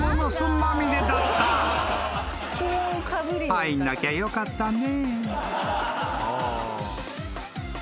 ［入んなきゃよかったね］